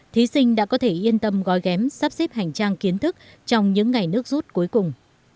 thí sinh đã có thể yên tâm gói ghém sắp xếp hành trang kiến thức trong những ngày nước rút cuối cùng